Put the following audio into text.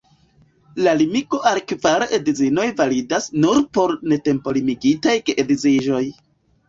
La limigo al kvar edzinoj validas nur por netempolimigitaj geedziĝoj.